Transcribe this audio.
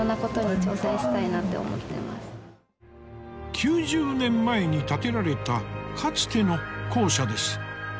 ９０年前に建てられたかつての校舎です。